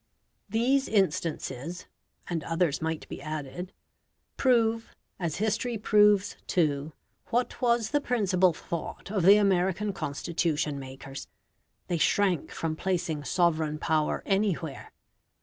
These instances (and others might be added) prove, as history proves too, what was the principal thought of the American Constitution makers. They shrank from placing sovereign power anywhere.